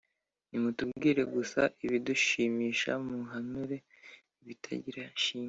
nimutubwire gusa ibidushimisha, muhanure ibitagira shinge.